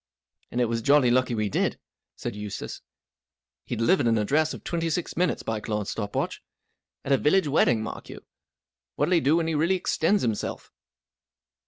"And it was jolly lucky we did," said Eustace. "He; delivered an address of twenty six, minutes.by Claude's stop watch. At a village wedding, mark you ! What'll He do when he really extends himself